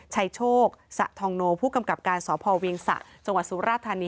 ชัยโชคสะทองโนผู้กำกับการสพเวียงสะจังหวัดสุราธานี